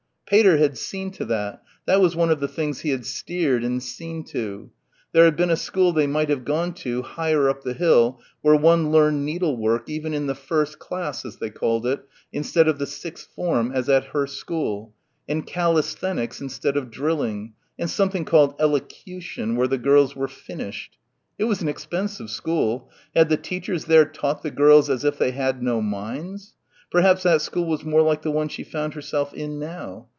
Pater had seen to that that was one of the things he had steered and seen to. There had been a school they might have gone to higher up the hill where one learned needlework even in the "first class" as they called it instead of the sixth form as at her school, and "Calisthenics" instead of drilling and something called elocution where the girls were "finished." It was an expensive school. Had the teachers there taught the girls ... as if they had no minds? Perhaps that school was more like the one she found herself in now?